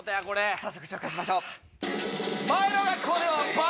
早速紹介しましょう。